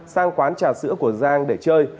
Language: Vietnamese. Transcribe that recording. sang quán trà sữa của giang để chơi